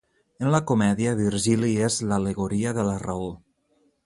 En la comèdia, Virgili és l'al·legoria de la raó.